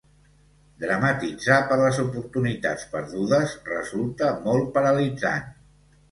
Dramatitzar per les oportunitats perdudes resulta molt paralitzant.